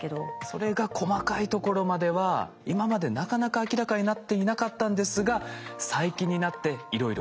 それが細かいところまでは今までなかなか明らかになっていなかったんですが最近になっていろいろ分かりだしたと。